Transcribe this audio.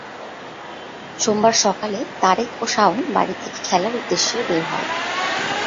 সোমবার সকালে তারেক ও শাওন বাড়ি থেকে খেলার উদ্দেশে বের হয়।